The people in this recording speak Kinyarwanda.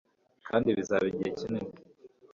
kandi bizaba igihe kinini